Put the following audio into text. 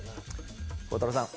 孝太郎さん